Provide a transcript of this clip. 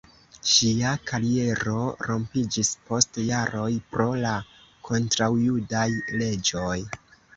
Ŝia kariero rompiĝis post jaroj pro la kontraŭjudaj leĝoj.